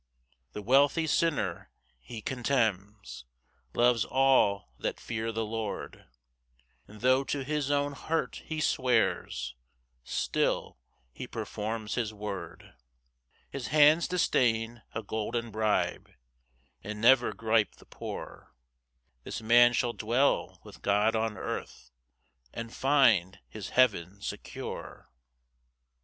4 The wealthy sinner he contemns, Loves all that fear the Lord: And tho' to his own hurt he swears, Still he performs his word. 5 His hands disdain a golden bribe, And never gripe the poor; This man shall dwell with God on earth, And find his heaven secure.